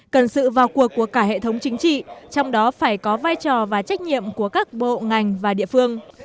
cần sự vào cuộc của cả hệ thống chính trị trong đó phải có vai trò và trách nhiệm của các bộ ngành và địa phương